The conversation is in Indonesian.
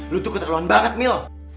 lo tuh ketakuan banget mil